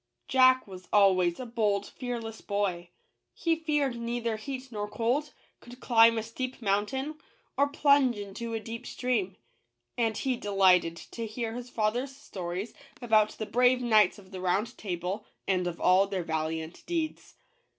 Jack was always a bold, fearless boy. He feared neither heat nor cold, could climb a steep mountain, or plunge into a deep stream ; and he de lighted to hear his father's stories about the brave Knights of the Round Table, and of all their valiant deeds.